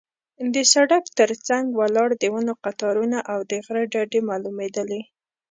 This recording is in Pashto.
د سړک تر څنګ ولاړ د ونو قطارونه او د غره ډډې معلومېدلې.